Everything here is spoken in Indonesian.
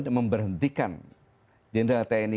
dan memberhentikan general tni